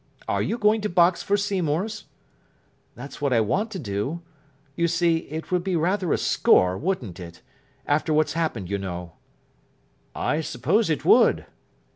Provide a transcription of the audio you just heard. Are you going to box for Seymour's?" "That's what I want to do. You see, it would be rather a score, wouldn't it? After what's happened, you know." "I suppose it would."